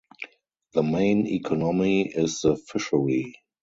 The main economy is the fishery.